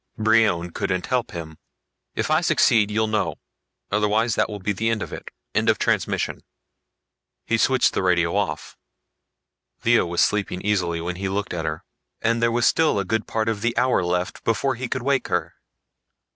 Brion couldn't help him. "If I succeed you'll know. Otherwise, that will be the end of it. End of Transmission." He switched the radio off. Lea was sleeping easily when he looked at her, and there was still a good part of the hour left before he could wake her.